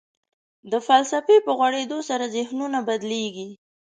د فلسفې په غوړېدو سره ذهنیتونه بدلېږي.